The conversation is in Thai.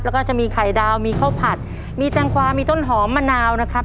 แล้วก็จะมีไข่ดาวมีข้าวผัดมีแตงกวามีต้นหอมมะนาวนะครับ